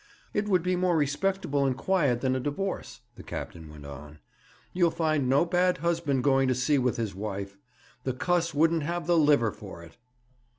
'It would be more respectable and quiet than a divorce,' the captain went on. 'You'd find no bad husband going to sea with his wife. The cuss wouldn't have the liver for it.'